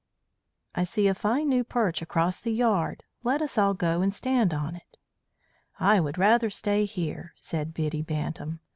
I see a fine new perch across the yard. Let us all go and stand on it." "I would rather stay here," said Biddy Bantam.